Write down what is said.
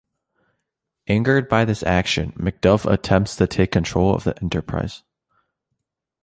Angered by this action, MacDuff attempts to take control of the "Enterprise".